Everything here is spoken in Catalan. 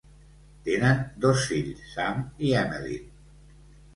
Tenen dos fills, Sam i Emelyn.